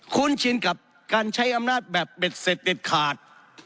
ุ้นชินกับการใช้อำนาจแบบเบ็ดเสร็จเด็ดขาด